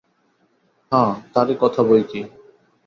হাঁ, তারই কথা বইকি।